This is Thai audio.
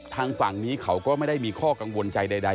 ทางฝั่งนี้เขาก็ไม่ได้มีข้อกังวลใจใด